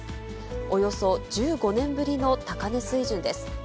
およそ１５年ぶりの高値水準です。